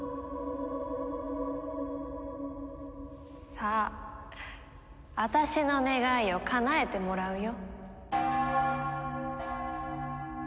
さあ私の願いをかなえてもらうよ。